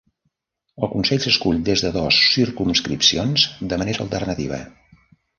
El Consell s'escull des de dos circumscripcions de manera alternativa.